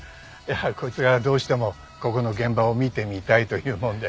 こいつがどうしてもここの現場を見てみたいと言うもんで。